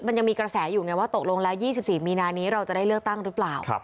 มันยังมีกระแสอยู่ไงว่าตกลงแล้ว๒๔มีนานี้เราจะได้เลือกตั้งหรือเปล่า